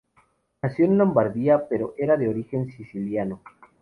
Nació en Lombardia pero era de origen siciliano.